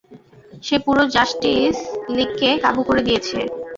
সে পুরো জাস্টিস লীগকে কাবু করে দিয়েছে!